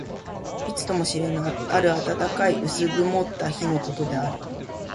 いつとも知れぬ、ある暖かい薄曇った日のことである。